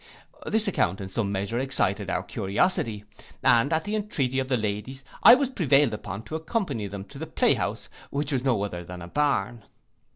This account, in some measure, excited our curiosity, and, at the entreaty of the ladies, I was prevailed upon to accompany them to the play house, which was no other than a barn.